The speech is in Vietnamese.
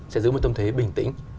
sẽ giữ một tâm thế bình tĩnh